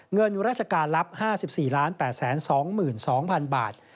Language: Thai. เงินราชการรับ๕๔๘๒๒๐๐๐บาท